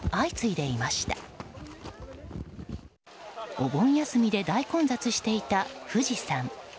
お盆休みで大混雑していた富士山。